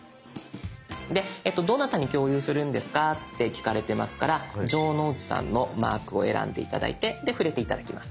どなたに共有するんですか？って聞かれてますから城之内さんのマークを選んで頂いてで触れて頂きます。